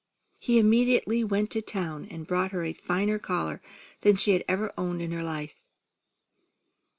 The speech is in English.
He immediately went to town and bought her a finer collar than she ever had owned in her life.